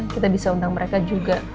kita bisa undang mereka juga